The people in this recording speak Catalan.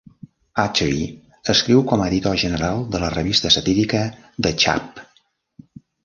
Attree escriu com a editor general de la revista satírica "The Chap".